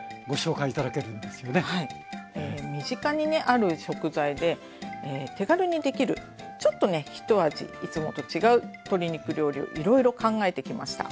身近にある食材で手軽にできるちょっとね一味いつもと違う鶏肉料理をいろいろ考えてきました。